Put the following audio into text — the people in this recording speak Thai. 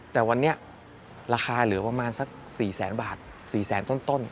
แต่วันนี้ราคาเหลือประมาณสัก๔แสนบาท๔แสนต้น